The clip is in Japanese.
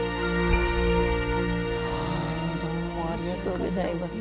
どうもありがとうギョざいます。